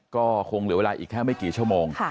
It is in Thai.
ก็คงเหลือเวลาอีกแค่ไม่กี่ชั่วโมง